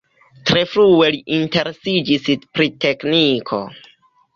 Tre frue li interesiĝis pri tekniko.